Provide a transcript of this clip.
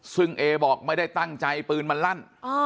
ซึ่งเอบอกไม่ได้ตั้งใจปืนมันลั่น